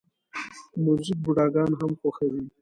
موزیک بوډاګان هم خوښوي.